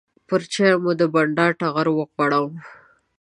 پر چایو مو د بانډار ټغر وغوړاوه.